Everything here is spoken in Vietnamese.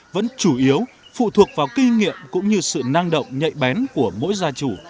vẫn chủ yếu phụ thuộc vào kinh nghiệm cũng như sự năng động nhạy bén của mỗi gia chủ